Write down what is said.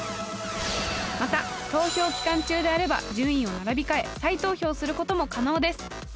また投票期間中であれば順位を並び替え再投票することも可能です